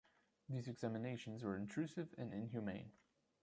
These examinations were intrusive and inhumane.